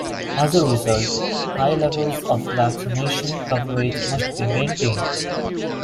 As a result, high levels of vaccination coverage must be maintained.